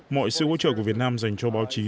mọi sự hỗ trợ của việt nam dành cho báo chí